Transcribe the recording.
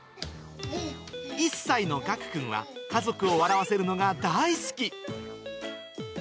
１歳のがくくんは、家族を笑わせるのが大好き。